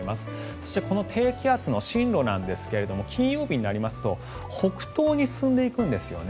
そしてこの低気圧の進路なんですが金曜日になりますと北東に進んでいくんですよね。